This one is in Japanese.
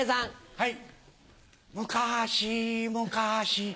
はい。